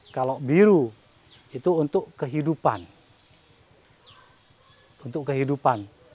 kalau biru itu untuk kehidupan